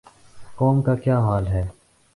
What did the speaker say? قوم کا کیا حال ہے۔